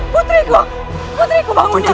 putriku putriku bang munda